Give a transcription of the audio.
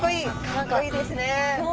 かっこいいですね。